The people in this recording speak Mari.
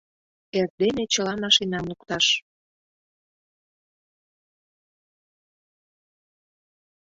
Эрдене чыла машинам лукташ!